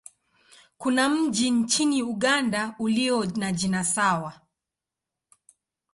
Kuna mji nchini Uganda ulio na jina sawa.